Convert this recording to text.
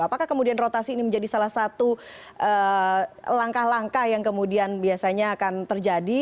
apakah kemudian rotasi ini menjadi salah satu langkah langkah yang kemudian biasanya akan terjadi